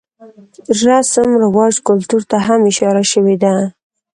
رسم رواج ،کلتور ته هم اشاره شوې ده.